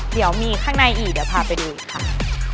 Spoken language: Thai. เดี๋ยวมีข้างในอีกเดี๋ยวพาไปดูอีกค่ะ